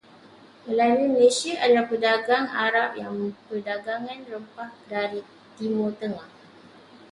Melalui Malaysia adalah pedagang Arab yang Perdagangan rempah dari Timur Tengah.